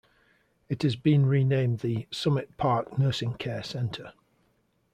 It has been renamed the Summit Park Nursing Care Center.